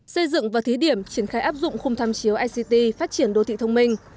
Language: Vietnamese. xây dựng và thí điểm triển khai áp dụng khung tham chiếu ict phát triển đô thị thông minh